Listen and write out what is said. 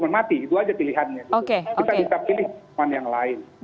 kita bisa pilih teman yang lain